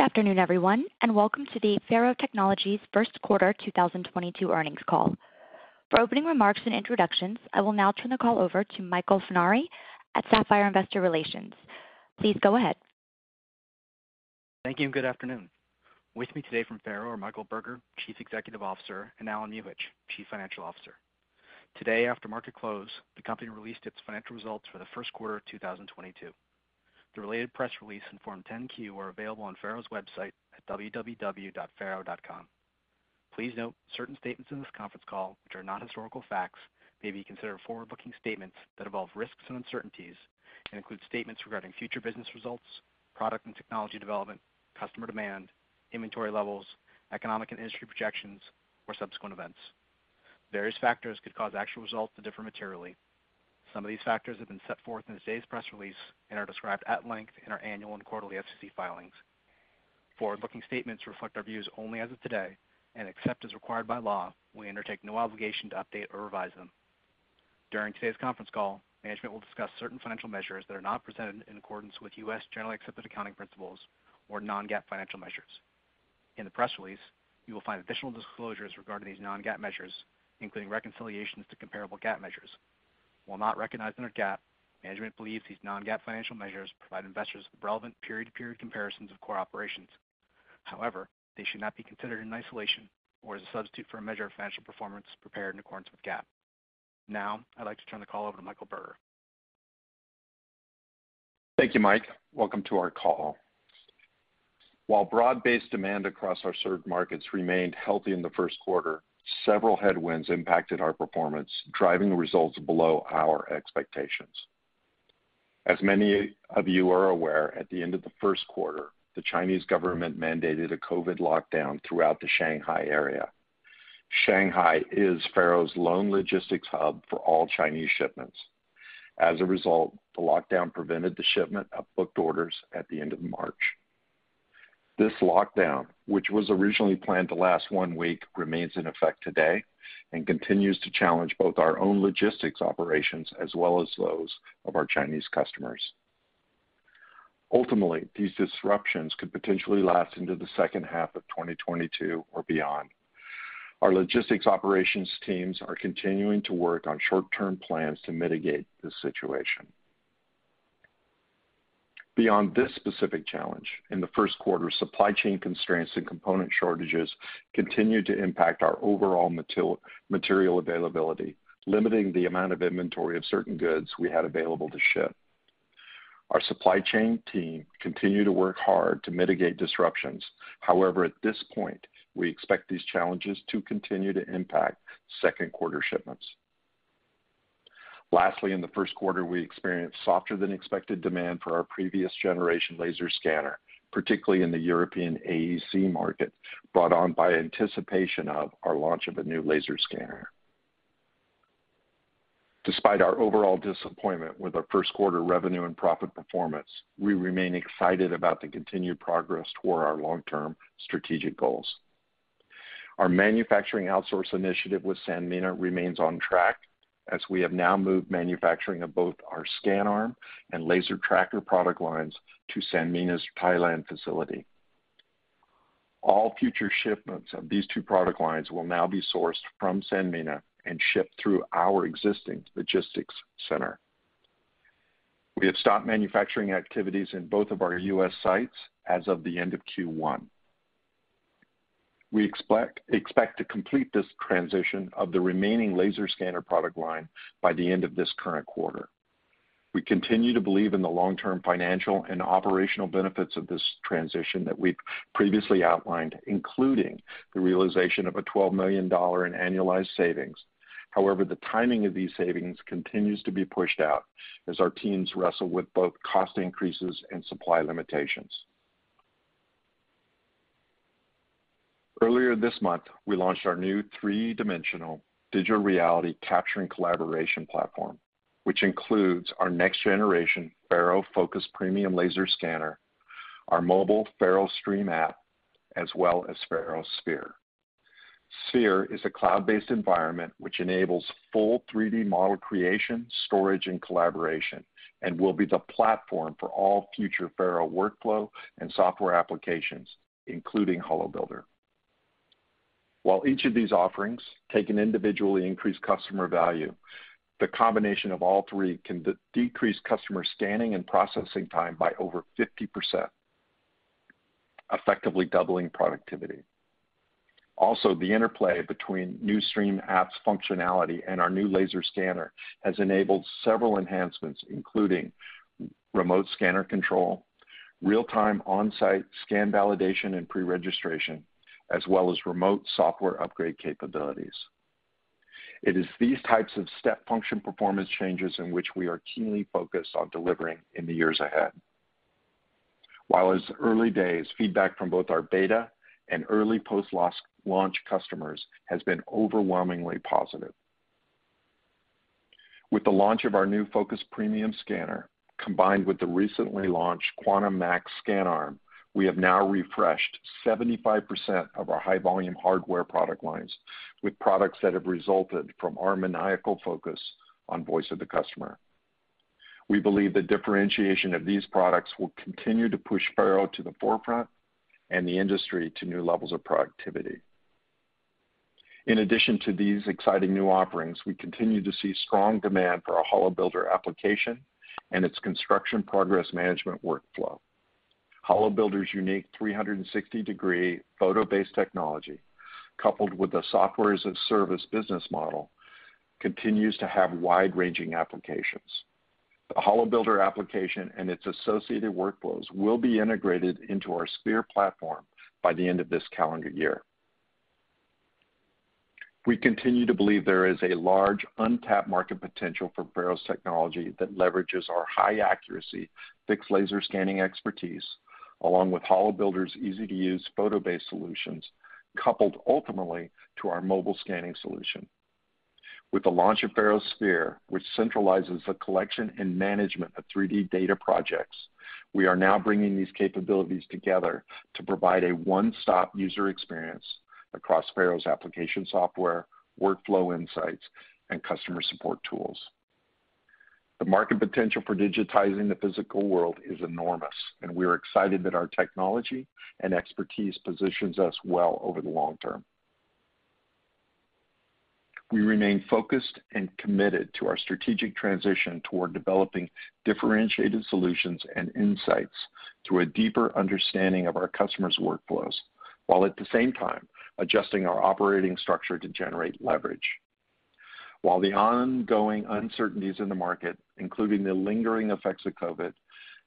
Good afternoon, everyone, and welcome to the FARO Technologies first quarter 2022 earnings call. For opening remarks and introductions, I will now turn the call over to Michael Funari at Sapphire Investor Relations. Please go ahead. Thank you and good afternoon. With me today from FARO are Michael Burger, Chief Executive Officer, and Allen Muhich, Chief Financial Officer. Today, after market close, the company released its financial results for the first quarter of 2022. The related press release and Form 10-Q are available on FARO's website at www.faro.com. Please note certain statements in this conference call, which are not historical facts, may be considered forward-looking statements that involve risks and uncertainties and include statements regarding future business results, product and technology development, customer demand, inventory levels, economic and industry projections or subsequent events. Various factors could cause actual results to differ materially. Some of these factors have been set forth in today's press release and are described at length in our annual and quarterly SEC filings. Forward-looking statements reflect our views only as of today, and except as required by law, we undertake no obligation to update or revise them. During today's conference call, management will discuss certain financial measures that are not presented in accordance with U.S. generally accepted accounting principles or non-GAAP financial measures. In the press release, you will find additional disclosures regarding these non-GAAP measures, including reconciliations to comparable GAAP measures. While not recognized under GAAP, management believes these non-GAAP financial measures provide investors with relevant period-to-period comparisons of core operations. However, they should not be considered in isolation or as a substitute for a measure of financial performance prepared in accordance with GAAP. Now, I'd like to turn the call over to Michael Burger. Thank you, Mike. Welcome to our call. While broad-based demand across our served markets remained healthy in the first quarter, several headwinds impacted our performance, driving the results below our expectations. As many of you are aware, at the end of the first quarter, the Chinese government mandated a COVID lockdown throughout the Shanghai area. Shanghai is FARO's lone logistics hub for all Chinese shipments. As a result, the lockdown prevented the shipment of booked orders at the end of March. This lockdown, which was originally planned to last one week, remains in effect today and continues to challenge both our own logistics operations as well as those of our Chinese customers. Ultimately, these disruptions could potentially last into the second half of 2022 or beyond. Our logistics operations teams are continuing to work on short-term plans to mitigate this situation. Beyond this specific challenge, in the first quarter, supply chain constraints and component shortages continued to impact our overall material availability, limiting the amount of inventory of certain goods we had available to ship. Our supply chain team continue to work hard to mitigate disruptions. However, at this point, we expect these challenges to continue to impact second quarter shipments. Lastly, in the first quarter, we experienced softer than expected demand for our previous generation laser scanner, particularly in the European AEC market, brought on by anticipation of our launch of a new laser scanner. Despite our overall disappointment with our first quarter revenue and profit performance, we remain excited about the continued progress toward our long-term strategic goals. Our manufacturing outsource initiative with Sanmina remains on track as we have now moved manufacturing of both our ScanArm and Laser Tracker product lines to Sanmina's Thailand facility. All future shipments of these two product lines will now be sourced from Sanmina and shipped through our existing logistics center. We have stopped manufacturing activities in both of our U.S. sites as of the end of Q1. We expect to complete this transition of the remaining laser scanner product line by the end of this current quarter. We continue to believe in the long-term financial and operational benefits of this transition that we've previously outlined, including the realization of $12 million in annualized savings. However, the timing of these savings continues to be pushed out as our teams wrestle with both cost increases and supply limitations. Earlier this month, we launched our new three-dimensional digital reality capturing collaboration platform, which includes our next-generation FARO Focus Premium Laser Scanner, our mobile FARO Stream app, as well as FARO Sphere. Sphere is a cloud-based environment which enables full 3D model creation, storage, and collaboration, and will be the platform for all future FARO workflow and software applications, including HoloBuilder. While each of these offerings taken individually increase customer value, the combination of all three can decrease customer scanning and processing time by over 50%, effectively doubling productivity. Also, the interplay between new Stream app's functionality and our new laser scanner has enabled several enhancements, including remote scanner control, real-time on-site scan validation and pre-registration, as well as remote software upgrade capabilities. It is these types of step function performance changes in which we are keenly focused on delivering in the years ahead. While it's early days, feedback from both our beta and early post-launch customers has been overwhelmingly positive. With the launch of our new Focus Premium Scanner, combined with the recently launched Quantum Max ScanArm, we have now refreshed 75% of our high-volume hardware product lines with products that have resulted from our maniacal focus on voice of the customer. We believe the differentiation of these products will continue to push FARO to the forefront and the industry to new levels of productivity. In addition to these exciting new offerings, we continue to see strong demand for our HoloBuilder application and its construction progress management workflow. HoloBuilder's unique 360-degree photo-based technology, coupled with the software and service business model, continues to have wide-ranging applications. The HoloBuilder application and its associated workflows will be integrated into our Sphere platform by the end of this calendar year. We continue to believe there is a large untapped market potential for FARO's technology that leverages our high accuracy, fixed laser scanning expertise, along with HoloBuilder's easy-to-use photo-based solutions, coupled ultimately to our mobile scanning solution. With the launch of FARO Sphere, which centralizes the collection and management of 3D data projects, we are now bringing these capabilities together to provide a one-stop user experience across FARO's application software, workflow insights, and customer support tools. The market potential for digitizing the physical world is enormous, and we are excited that our technology and expertise positions us well over the long term. We remain focused and committed to our strategic transition toward developing differentiated solutions and insights through a deeper understanding of our customers' workflows, while at the same time, adjusting our operating structure to generate leverage. While the ongoing uncertainties in the market, including the lingering effects of COVID,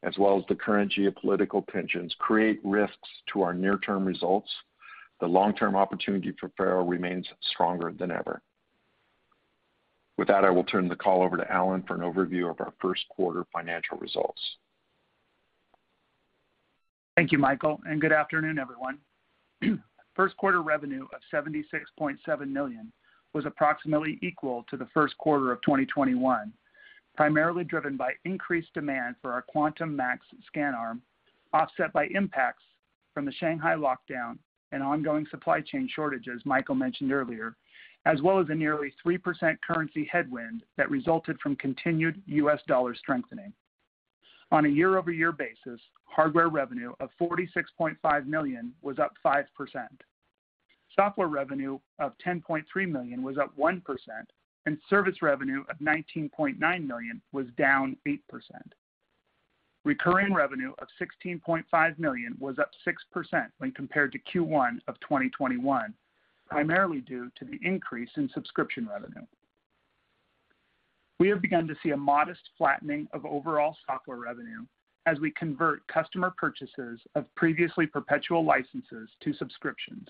as well as the current geopolitical tensions, create risks to our near-term results, the long-term opportunity for FARO remains stronger than ever. With that, I will turn the call over to Allen for an overview of our first quarter financial results. Thank you, Michael, and good afternoon, everyone. First quarter revenue of $76.7 million was approximately equal to the first quarter of 2021, primarily driven by increased demand for our Quantum Max ScanArm, offset by impacts from the Shanghai lockdown and ongoing supply chain shortages Michael mentioned earlier, as well as a nearly 3% currency headwind that resulted from continued US dollar strengthening. On a year-over-year basis, hardware revenue of $46.5 million was up 5%. Software revenue of $10.3 million was up 1%, and service revenue of $19.9 million was down 8%. Recurring revenue of $16.5 million was up 6% when compared to Q1 of 2021, primarily due to the increase in subscription revenue. We have begun to see a modest flattening of overall software revenue as we convert customer purchases of previously perpetual licenses to subscriptions.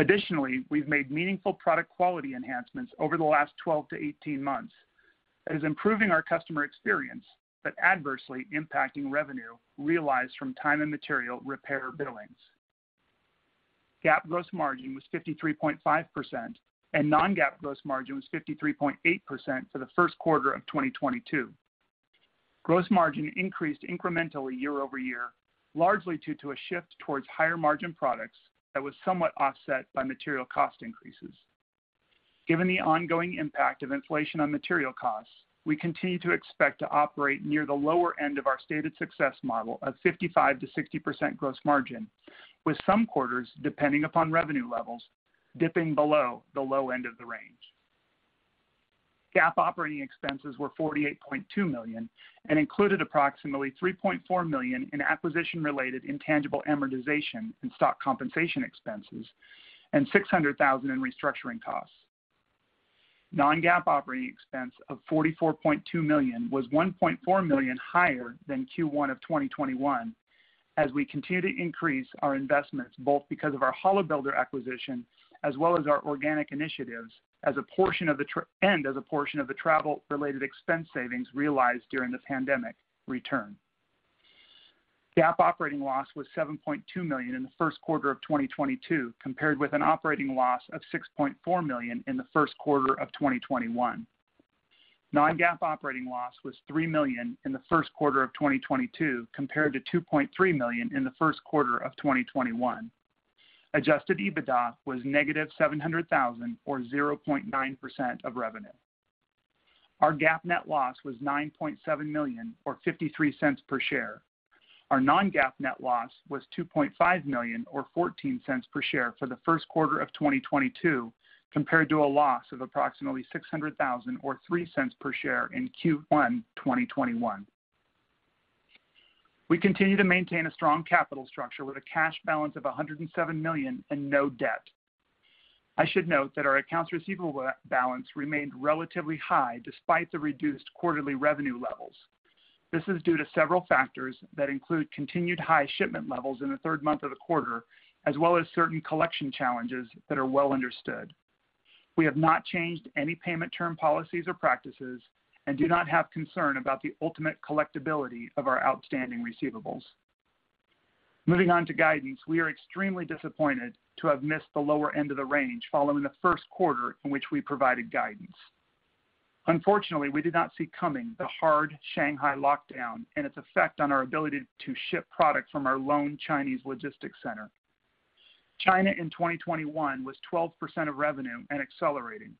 Additionally, we've made meaningful product quality enhancements over the last 12-18 months that is improving our customer experience, but adversely impacting revenue realized from time and material repair billings. GAAP gross margin was 53.5%, and non-GAAP gross margin was 53.8% for the first quarter of 2022. Gross margin increased incrementally year-over-year, largely due to a shift towards higher margin products that was somewhat offset by material cost increases. Given the ongoing impact of inflation on material costs, we continue to expect to operate near the lower end of our stated success model of 55%-60% gross margin, with some quarters, depending upon revenue levels, dipping below the low end of the range. GAAP operating expenses were $48.2 million and included approximately $3.4 million in acquisition-related intangible amortization and stock compensation expenses, and $600,000 in restructuring costs. Non-GAAP operating expense of $44.2 million was $1.4 million higher than Q1 of 2021 as we continue to increase our investments, both because of our HoloBuilder acquisition as well as our organic initiatives, as a portion of the travel-related expense savings realized during the pandemic return. GAAP operating loss was $7.2 million in the first quarter of 2022, compared with an operating loss of $6.4 million in the first quarter of 2021. Non-GAAP operating loss was $3 million in the first quarter of 2022, compared to $2.3 million in the first quarter of 2021. Adjusted EBITDA was -$700,000 or 0.9% of revenue. Our GAAP net loss was $9.7 million or $0.53 per share. Our non-GAAP net loss was $2.5 million or $0.14 per share for the first quarter of 2022, compared to a loss of approximately $600,000 or $0.03 per share in Q1 2021. We continue to maintain a strong capital structure with a cash balance of $107 million and no debt. I should note that our accounts receivable balance remained relatively high despite the reduced quarterly revenue levels. This is due to several factors that include continued high shipment levels in the third month of the quarter, as well as certain collection challenges that are well understood. We have not changed any payment term policies or practices and do not have concern about the ultimate collectibility of our outstanding receivables. Moving on to guidance, we are extremely disappointed to have missed the lower end of the range following the first quarter in which we provided guidance. Unfortunately, we did not see coming the hard Shanghai lockdown and its effect on our ability to ship product from our lone Chinese logistics center. China in 2021 was 12% of revenue and accelerating.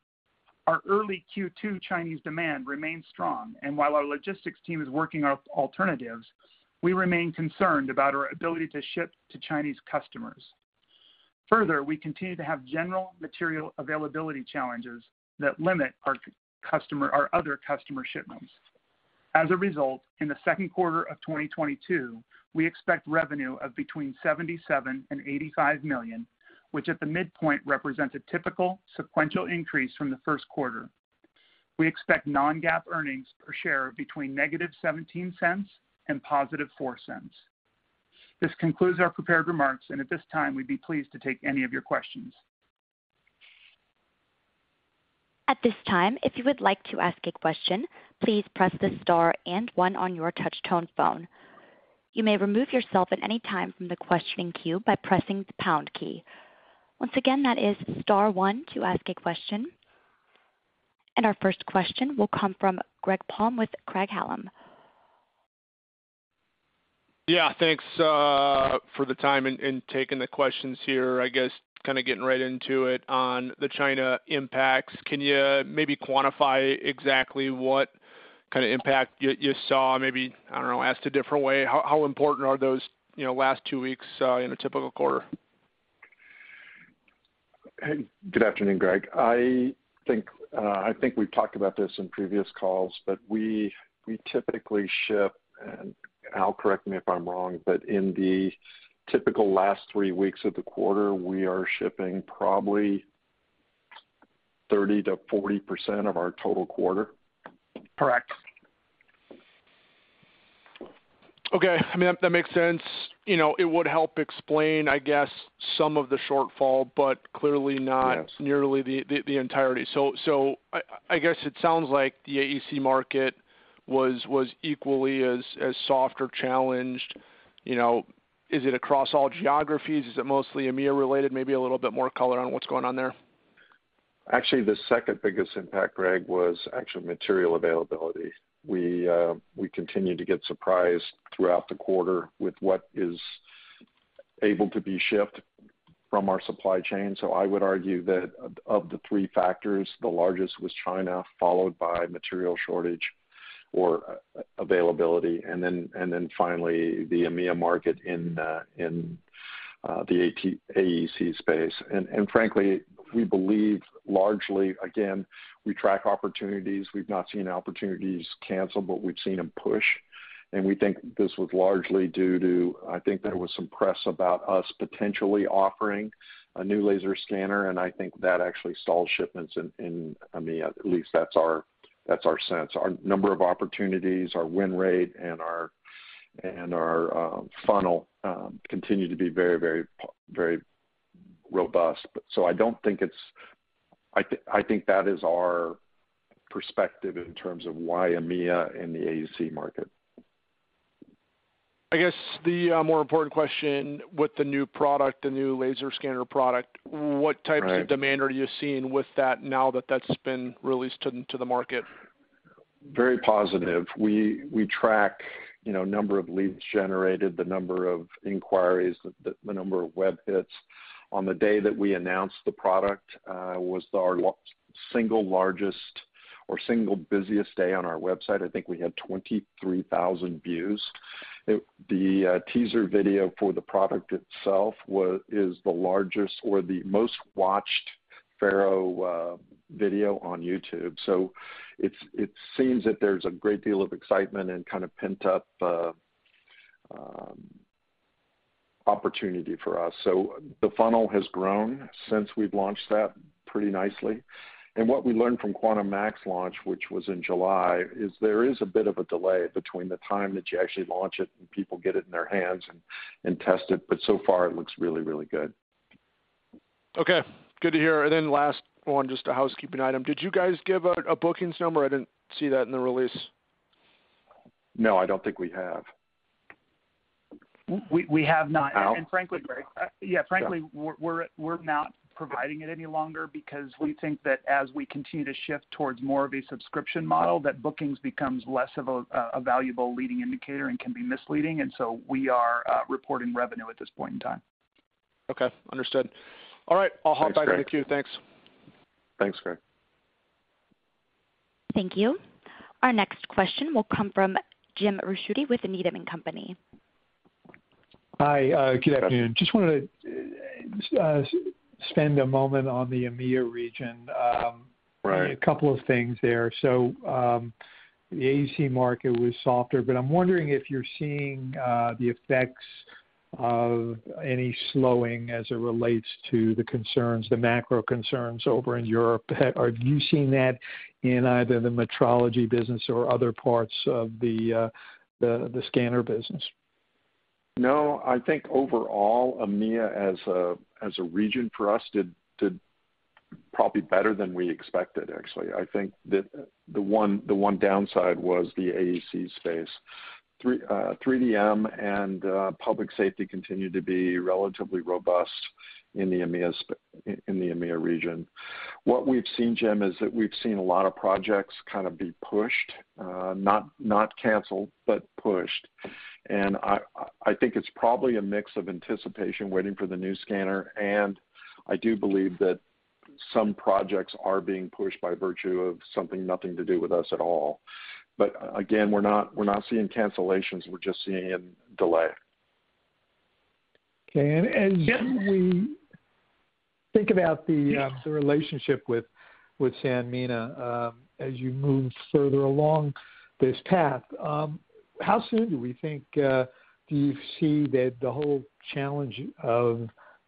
Our early Q2 Chinese demand remains strong, and while our logistics team is working on alternatives, we remain concerned about our ability to ship to Chinese customers. Further, we continue to have general material availability challenges that limit our customer or other customer shipments. As a result, in the second quarter of 2022, we expect revenue of between $77 million and $85 million, which at the midpoint represents a typical sequential increase from the first quarter. We expect non-GAAP earnings per share between -$0.17 and +$0.04. This concludes our prepared remarks, and at this time, we'd be pleased to take any of your questions. At this time, if you would like to ask a question, please press the star and one on your touch tone phone. You may remove yourself at any time from the questioning queue by pressing the pound key. Once again, that is star one to ask a question. Our first question will come from Greg Palm with Craig-Hallum. Yeah, thanks, for the time in taking the questions here. I guess kinda getting right into it on the China impacts. Can you maybe quantify exactly what kind of impact you saw? Maybe, I don't know, asked a different way, how important are those, you know, last two weeks in a typical quarter? Good afternoon, Greg. I think we've talked about this in previous calls, but we typically ship, and Al, correct me if I'm wrong, but in the typical last three weeks of the quarter, we are shipping probably 30%-40% of our total quarter. Correct. Okay. I mean, that makes sense. You know, it would help explain, I guess, some of the shortfall, but clearly not. Yes... Nearly the entirety. I guess it sounds like the AEC market was equally as soft or challenged. You know, is it across all geographies? Is it mostly EMEA-related? Maybe a little bit more color on what's going on there. Actually, the second biggest impact, Greg, was actually material availability. We continued to get surprised throughout the quarter with what is able to be shipped from our supply chain. I would argue that of the three factors, the largest was China, followed by material shortage or availability, and then finally the EMEA market in the AEC space. Frankly, we believe largely, again, we track opportunities. We've not seen opportunities canceled, but we've seen them push. We think this was largely due to, I think, there was some press about us potentially offering a new laser scanner, and I think that actually stalled shipments in EMEA, at least that's our sense. Our number of opportunities, our win rate, and our funnel continue to be very robust. I think that is our perspective in terms of why EMEA in the AEC market. I guess the more important question with the new product, the new laser scanner product. Right What types of demand are you seeing with that now that that's been released to the market? Very positive. We track, you know, number of leads generated, the number of inquiries, the number of web hits. On the day that we announced the product, was our single largest or single busiest day on our website. I think we had 23,000 views. The teaser video for the product itself is the largest or the most watched FARO video on YouTube. So it seems that there's a great deal of excitement and kind of pent-up opportunity for us. So the funnel has grown since we've launched that pretty nicely. What we learned from Quantum Max launch, which was in July, is there is a bit of a delay between the time that you actually launch it and people get it in their hands and test it, but so far it looks really good. Okay, good to hear. Last one, just a housekeeping item. Did you guys give a bookings number? I didn't see that in the release. No, I don't think we have. We have not. Al? Frankly, Greg. Yeah. Yeah, frankly, we're not providing it any longer because we think that as we continue to shift towards more of a subscription model, that bookings becomes less of a valuable leading indicator and can be misleading. We are reporting revenue at this point in time. Okay. Understood. All right. Thanks, Greg. I'll hop back in the queue. Thanks. Thanks, Greg. Thank you. Our next question will come from Jim Ricchiuti with Needham & Company. Hi, good afternoon. Just wanted to spend a moment on the EMEA region. Right. A couple of things there. The AEC market was softer, but I'm wondering if you're seeing the effects of any slowing as it relates to the concerns, the macro concerns over in Europe. Are you seeing that in either the metrology business or other parts of the scanner business? No. I think overall, EMEA as a region for us did probably better than we expected, actually. I think that the one downside was the AEC space. 3DM and public safety continued to be relatively robust in the EMEA region. What we've seen, Jim, is that we've seen a lot of projects kind of be pushed, not canceled, but pushed. I think it's probably a mix of anticipation waiting for the new scanner, and I do believe that some projects are being pushed by virtue of something having nothing to do with us at all. Again, we're not seeing cancellations. We're just seeing a delay. Okay. As we think about the relationship with Sanmina, as you move further along this path, how soon do you see that the whole challenge of,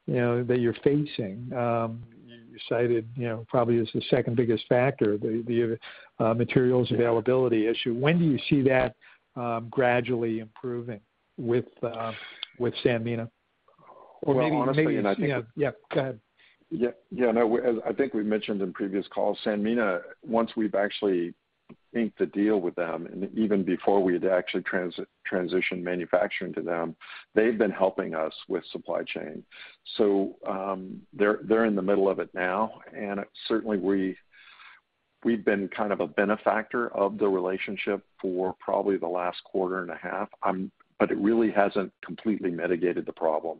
you know, that you're facing, you cited, you know, probably as the second-biggest factor, the materials availability issue? When do you see that gradually improving with Sanmina? Well, honestly, I think. Yeah. Go ahead. Yeah. Yeah. No. As I think we've mentioned in previous calls, Sanmina, once we've actually inked the deal with them, and even before we had actually transitioned manufacturing to them, they've been helping us with supply chain. They're in the middle of it now, and certainly, we've been kind of a benefactor of the relationship for probably the last quarter and a half. But it really hasn't completely mitigated the problem.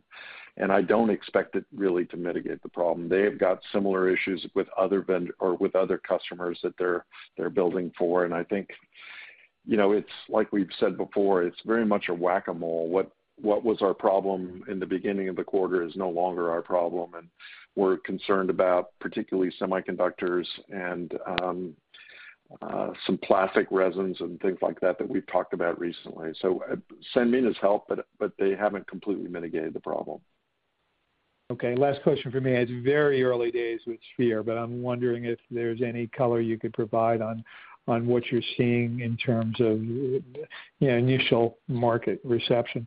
I don't expect it really to mitigate the problem. They have got similar issues with other vendors with other customers that they're building for. I think, you know, it's like we've said before, it's very much a whack-a-mole. What was our problem in the beginning of the quarter is no longer our problem, and we're concerned about particularly semiconductors and some plastic resins and things like that that we've talked about recently. Sanmina's helped, but they haven't completely mitigated the problem. Okay. Last question for me. It's very early days with Sphere, but I'm wondering if there's any color you could provide on what you're seeing in terms of, you know, initial market reception.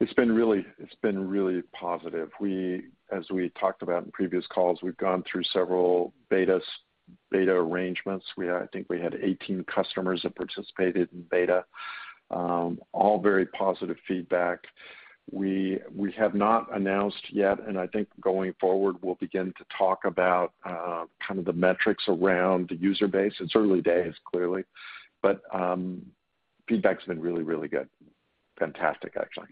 It's been really positive. We, as we talked about in previous calls, we've gone through several betas, beta arrangements. We had, I think, 18 customers that participated in beta. All very positive feedback. We have not announced yet, and I think going forward, we'll begin to talk about kind of the metrics around the user base. It's early days, clearly. feedback's been really good. Fantastic, actually.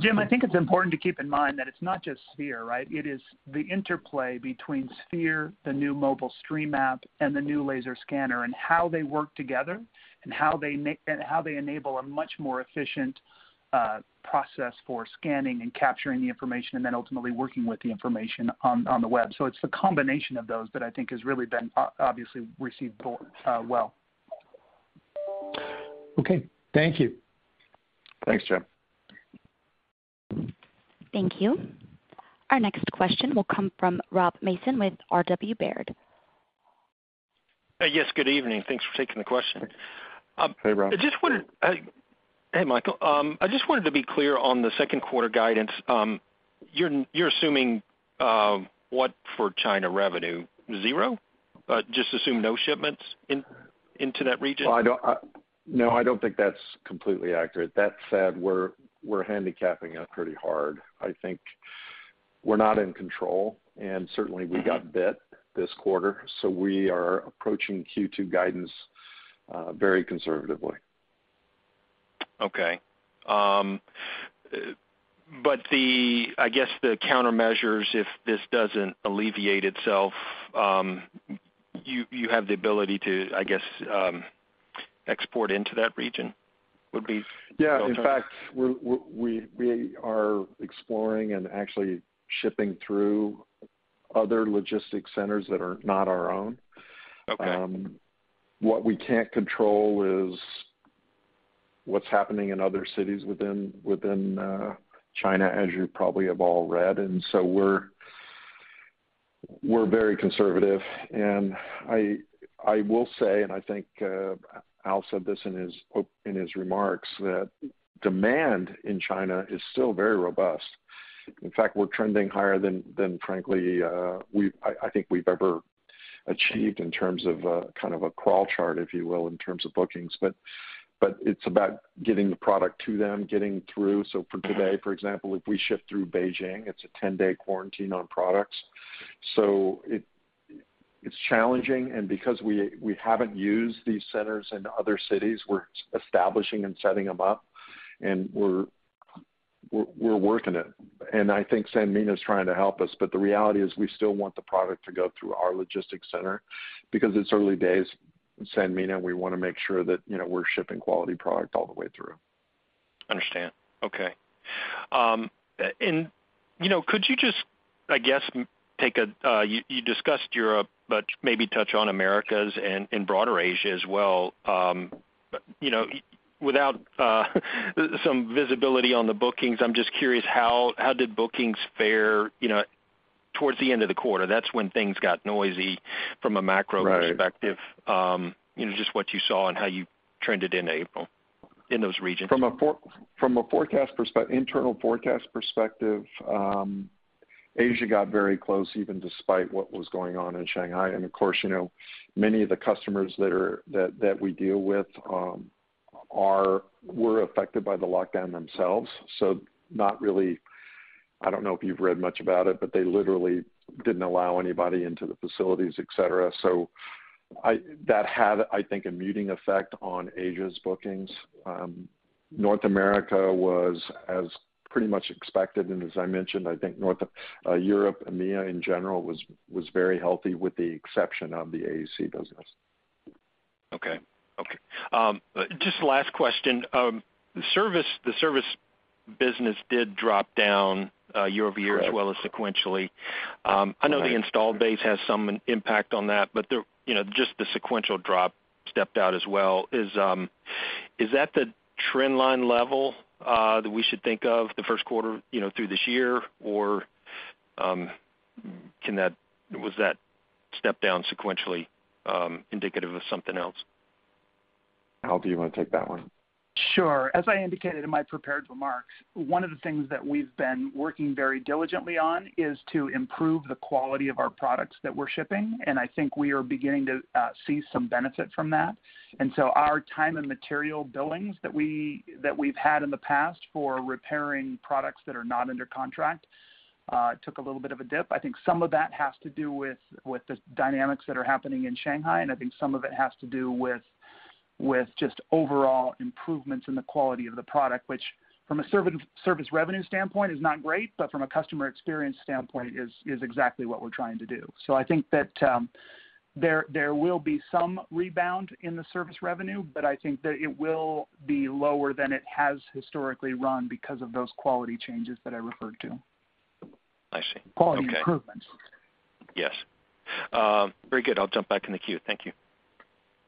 Jim, I think it's important to keep in mind that it's not just Sphere, right? It is the interplay between Sphere, the new Mobile Stream app, and the new laser scanner, and how they work together and how they enable a much more efficient process for scanning and capturing the information, and then ultimately working with the information on the web. It's the combination of those that I think has really been obviously received well. Okay. Thank you. Thanks, Jim. Thank you. Our next question will come from Rob Mason with R.W. Baird. Yes, good evening. Thanks for taking the question. Hey, Rob. Hey, Michael. I just wanted to be clear on the second quarter guidance. You're assuming what for China revenue? Zero? Just assume no shipments into that region? Well, I don't think that's completely accurate. That said, we're handicapping it pretty hard. I think we're not in control, and certainly we got bit this quarter, so we are approaching Q2 guidance very conservatively. Okay. I guess the countermeasures, if this doesn't alleviate itself, you have the ability to, I guess, export into that region, would be fair to say? Yeah. In fact, we are exploring and actually shipping through other logistics centers that are not our own. Okay. What we can't control is what's happening in other cities within China, as you probably have all read. We're very conservative. I will say, and I think Al said this in his remarks, that demand in China is still very robust. In fact, we're trending higher than frankly, I think we've ever achieved in terms of kind of a crawl chart, if you will, in terms of bookings. It's about getting the product to them, getting through. For today, for example, if we ship through Beijing, it's a 10-day quarantine on products. It's challenging. Because we haven't used these centers in other cities, we're establishing and setting them up. We're working it. I think Sanmina's trying to help us, but the reality is we still want the product to go through our logistics center because it's early days with Sanmina. We wanna make sure that, you know, we're shipping quality product all the way through. Understand. Okay. You know, could you just, I guess, take a you discussed Europe, but maybe touch on Americas and broader Asia as well? You know, without some visibility on the bookings, I'm just curious how did bookings fare, you know, towards the end of the quarter? That's when things got noisy from a macro perspective. Right. You know, just what you saw and how you trended in April in those regions. From an internal forecast perspective, Asia got very close, even despite what was going on in Shanghai. Of course, you know, many of the customers that we deal with were affected by the lockdown themselves. Not really, I don't know if you've read much about it, but they literally didn't allow anybody into the facilities, et cetera. That had, I think, a muting effect on Asia's bookings. North America was pretty much as expected. As I mentioned, I think North Europe, EMEA in general was very healthy with the exception of the AEC business. Okay. Just last question. The service business did drop down year-over-year. Correct As well as sequentially. I know the installed base has some impact on that, but you know, just the sequential drop stood out as well. Is that the trend line level that we should think of the first quarter, you know, through this year? Or, was that step down sequentially indicative of something else? Al, do you wanna take that one? Sure. As I indicated in my prepared remarks, one of the things that we've been working very diligently on is to improve the quality of our products that we're shipping, and I think we are beginning to see some benefit from that. Our time and material billings that we've had in the past for repairing products that are not under contract took a little bit of a dip. I think some of that has to do with the dynamics that are happening in Shanghai, and I think some of it has to do with just overall improvements in the quality of the product, which from a service revenue standpoint is not great, but from a customer experience standpoint is exactly what we're trying to do. I think that there will be some rebound in the service revenue, but I think that it will be lower than it has historically run because of those quality changes that I referred to. I see. Okay. Quality improvements. Yes. Very good. I'll jump back in the queue. Thank you.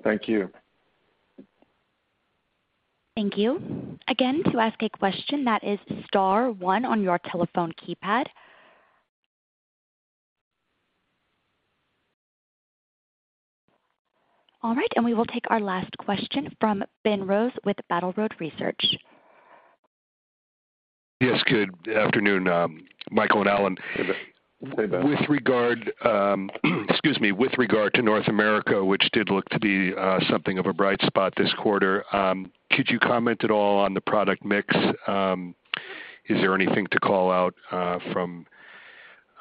Thank you. Thank you. Again, to ask a question that is star one on your telephone keypad. All right. We will take our last question from Ben Rose with Battle Road Research. Yes, good afternoon, Michael and Allen. Hey, Ben. With regard to North America, which did look to be something of a bright spot this quarter, could you comment at all on the product mix? Is there anything to call out from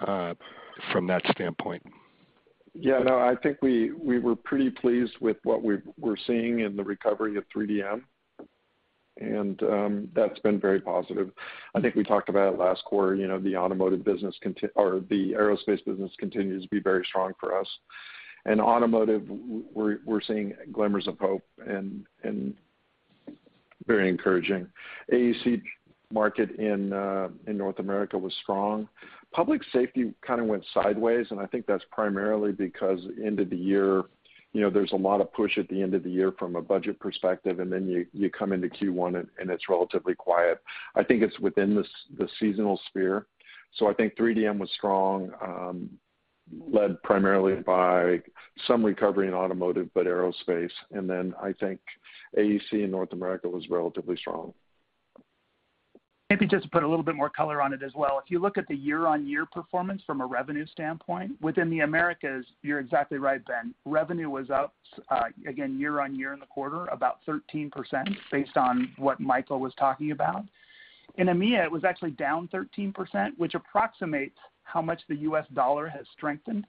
that standpoint? Yeah, no, I think we were pretty pleased with what we're seeing in the recovery of 3DM. That's been very positive. I think we talked about it last quarter, you know, the automotive business or the aerospace business continues to be very strong for us. In automotive, we're seeing glimmers of hope and very encouraging. AEC market in North America was strong. Public safety kind of went sideways, and I think that's primarily because end of the year, you know, there's a lot of push at the end of the year from a budget perspective, and then you come into Q1 and it's relatively quiet. I think it's within the seasonal sphere. I think 3DM was strong, led primarily by some recovery in automotive, but aerospace. I think AEC in North America was relatively strong. Maybe just to put a little bit more color on it as well. If you look at the year-on-year performance from a revenue standpoint, within the Americas, you're exactly right, Ben. Revenue was up, again, year-on-year in the quarter, about 13% based on what Michael was talking about. In EMEA, it was actually down 13%, which approximates how much the U.S. dollar has strengthened.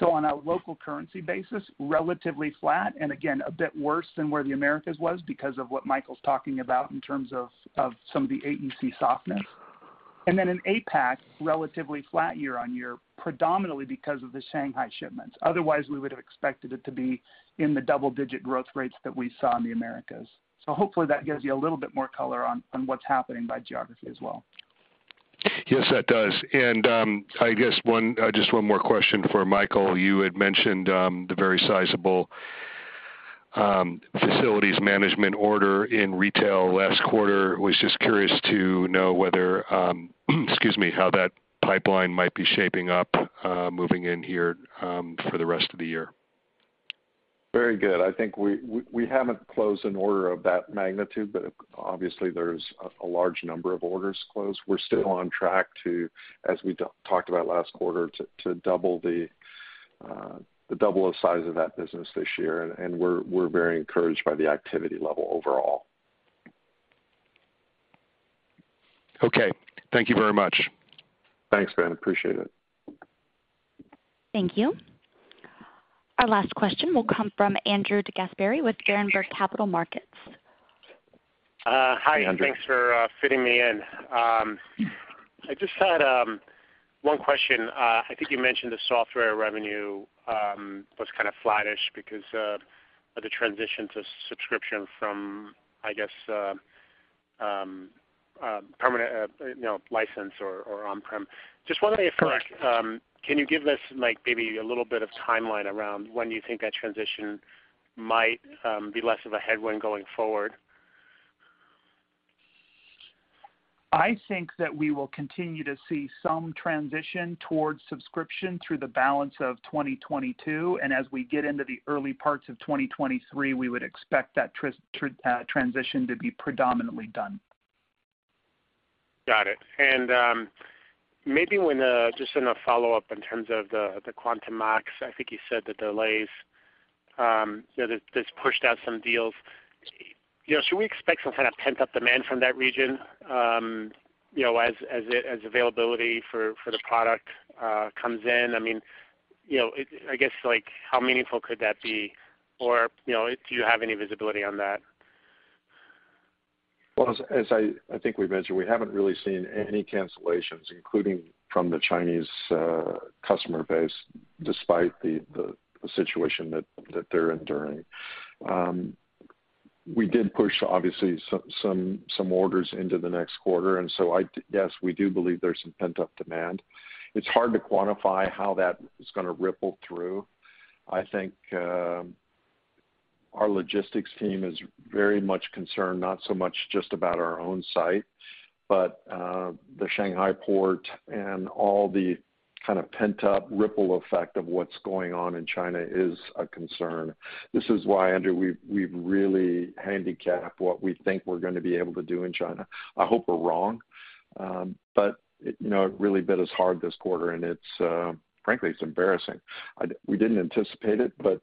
So on a local currency basis, relatively flat and again, a bit worse than where the Americas was because of what Michael's talking about in terms of some of the AEC softness. Then in APAC, relatively flat year-on-year, predominantly because of the Shanghai shipments. Otherwise, we would have expected it to be in the double-digit growth rates that we saw in the Americas. Hopefully that gives you a little bit more color on what's happening by geography as well. Yes, that does. I guess just one more question for Michael. You had mentioned the very sizable facilities management order in retail last quarter. I was just curious to know whether, excuse me, how that pipeline might be shaping up, moving in here, for the rest of the year. Very good. I think we haven't closed an order of that magnitude, but obviously there's a large number of orders closed. We're still on track to, as we talked about last quarter, to double the size of that business this year, and we're very encouraged by the activity level overall. Okay. Thank you very much. Thanks, Ben. Appreciate it. Thank you. Our last question will come from Andrew DeGasperi with Berenberg Capital Markets. Hi, Andrew. Hi, thanks for fitting me in. I just had one question. I think you mentioned the software revenue was kind of flat-ish because of the transition to subscription from, I guess, permanent, you know, license or on-prem. Just wondering if- Correct Can you give us like maybe a little bit of timeline around when you think that transition might be less of a headwind going forward? I think that we will continue to see some transition towards subscription through the balance of 2022. As we get into the early parts of 2023, we would expect that transition to be predominantly done. Got it. Maybe just in a follow-up in terms of the Quantum Max, I think you said the delays, you know, that's pushed out some deals. You know, should we expect some kind of pent-up demand from that region, you know, as availability for the product comes in? I mean, you know, I guess, like how meaningful could that be? Or, you know, do you have any visibility on that? Well, as I think we've mentioned, we haven't really seen any cancellations, including from the Chinese customer base, despite the situation that they're enduring. We did push obviously some orders into the next quarter. Yes, we do believe there's some pent-up demand. It's hard to quantify how that is gonna ripple through. I think our logistics team is very much concerned, not so much just about our own site, but the Shanghai port and all the kind of pent-up ripple effect of what's going on in China is a concern. This is why, Andrew, we've really handicapped what we think we're gonna be able to do in China. I hope we're wrong. You know, it really bit us hard this quarter, and it's frankly embarrassing. We didn't anticipate it, but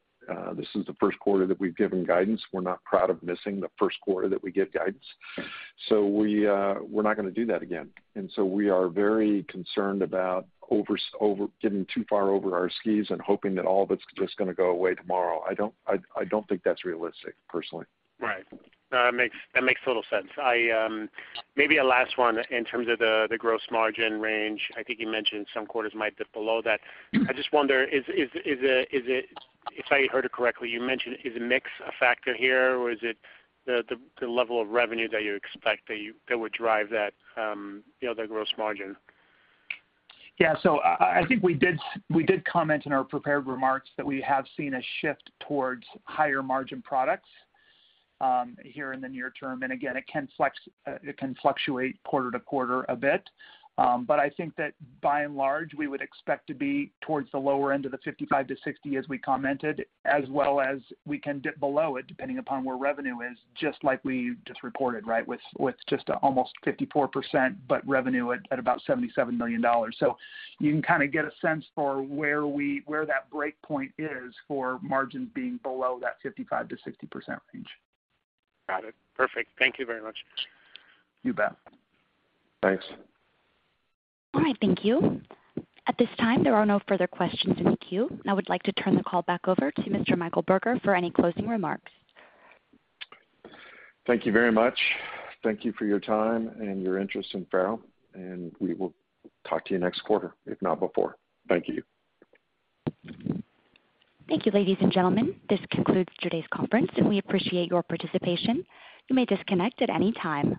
this is the first quarter that we've given guidance. We're not proud of missing the first quarter that we give guidance. We're not gonna do that again. We are very concerned about over getting too far over our skis and hoping that all of it's just gonna go away tomorrow. I don't think that's realistic, personally. Right. That makes total sense. I, maybe a last one in terms of the gross margin range. I think you mentioned some quarters might dip below that. I just wonder is it. If I heard it correctly, you mentioned mix is a factor here, or is it the level of revenue that you expect that would drive that, the other gross margin? Yeah. I think we did comment in our prepared remarks that we have seen a shift towards higher margin products here in the near term. Again, it can fluctuate quarter to quarter a bit. I think that by and large, we would expect to be towards the lower end of the 55%-60% as we commented, as well as we can dip below it, depending upon where revenue is, just like we just reported, right? With just almost 54%, but revenue at about $77 million. You can kinda get a sense for where that break point is for margins being below that 55%-60% range. Got it. Perfect. Thank you very much. You bet. Thanks. All right. Thank you. At this time, there are no further questions in the queue. I would like to turn the call back over to Mr. Michael Burger for any closing remarks. Thank you very much. Thank you for your time and your interest in FARO, and we will talk to you next quarter, if not before. Thank you. Thank you, ladies and gentlemen. This concludes today's conference, and we appreciate your participation. You may disconnect at any time.